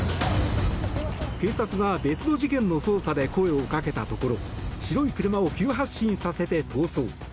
警察が別の事件の捜査で声をかけたところ白い車を急発進させて逃走。